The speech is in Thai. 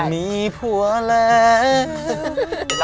มันมีผัวแหล้ม